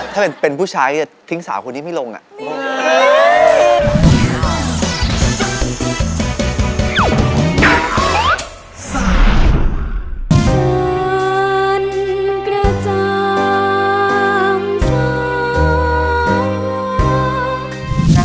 ถ้าเป็นผู้ชายจะทิ้งสาวคนนี้ไม่ลงอ่ะ